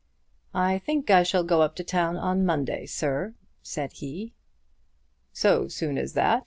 "I think I shall go up to town on Monday, sir," said he. "So soon as that.